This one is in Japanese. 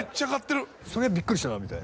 それはびっくりしたなみたいな。